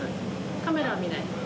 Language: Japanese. カメラは見ない。